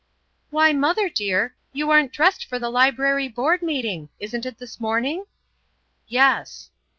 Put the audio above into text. "Why, mother dear, you aren't dressed for the library board meeting! Isn't that this morning?" "Yes."